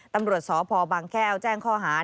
ตำรวจสพบางแก้วแจ้งข้อหา